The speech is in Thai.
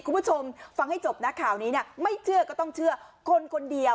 คุณผู้ชมฟังให้จบนะข่าวนี้เนี่ยไม่เชื่อก็ต้องเชื่อคนคนเดียว